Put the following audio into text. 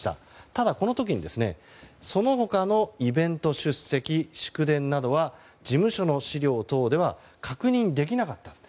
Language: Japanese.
ただ、この時に、その他のイベント出席、祝電などは事務所の資料等では確認できなかったと。